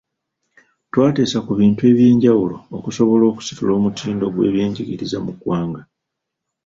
Twateesa ku bintu eby’enjawulo okusobola okusitula omutindo gw’ebyenjigiriza mu ggwanga.